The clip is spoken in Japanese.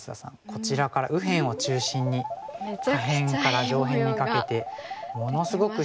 こちらから右辺を中心に下辺から上辺にかけてものすごく広い模様が完成しますよね。